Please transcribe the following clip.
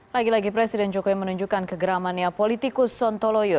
lagi lagi presiden jokowi menunjukkan kegeramannya politikus sontoloyo